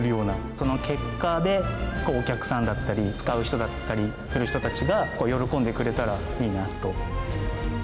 その結果で、お客さんだったり、使う人だったりする人たちが、喜んでくれたらいいなと。